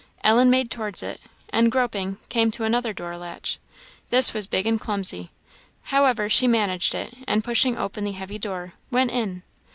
Ellen made towards it, and, groping, came to another door latch. This was big and clumsy; however, she managed it, and, pushing open the heavy door, went in.